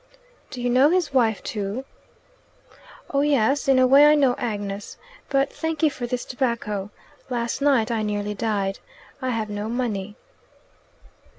"Do you know his wife too?" "Oh yes. In a way I know Agnes. But thank you for this tobacco. Last night I nearly died. I have no money."